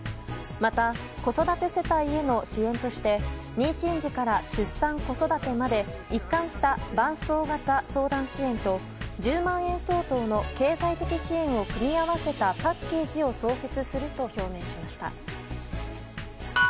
また子育て世帯への支援として妊娠時から出産・子育てまで一貫した伴走型相談支援と１０万円相当の経済的支援を組み合わせたパッケージを創設すると表明しました。